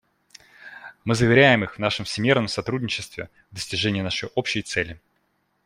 Мы заверяем их в нашем всемерном сотрудничестве в достижении нашей общей цели.